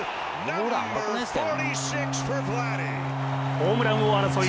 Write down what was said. ホームラン王争い